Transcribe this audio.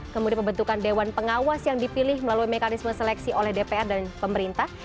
kemudian pembentukan dewan pengawas yang dipilih melalui mekanisme seleksi oleh dpr dan pemerintah